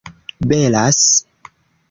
belas